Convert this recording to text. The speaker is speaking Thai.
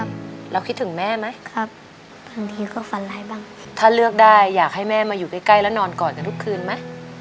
เชนรู้ไหมว่าพ่อแม่เหนื่อย